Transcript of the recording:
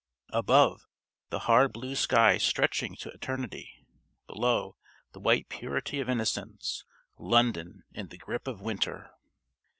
Above the hard blue sky stretching to eternity; below the white purity of innocence. London in the grip of winter!